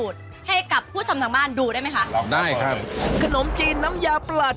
ดีครับพ่อเข้าเรื่องเองด้วย